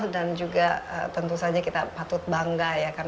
dan juga tentu saja kita patut bangga ya